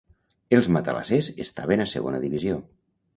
Els matalassers estaven a Segona Divisió.